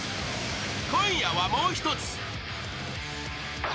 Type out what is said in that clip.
［今夜はもう一つ］